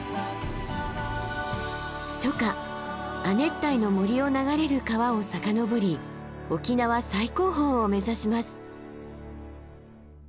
初夏亜熱帯の森を流れる川を遡り沖縄最高峰を目指します。